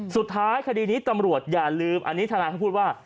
คดีนี้ตำรวจอย่าลืมอันนี้ทนายเขาพูดว่า